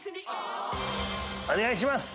お願いします！